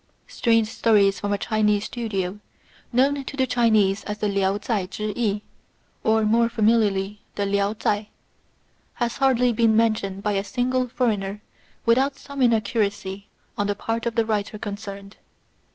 Strange Stories from a Chinese Studio, known to the Chinese as the Liao Chai Chih I, or more familiarly, the Liao C/iai, has hardly been mentioned by a single foreigner without some inaccuracy on the part of Y the writer concerned.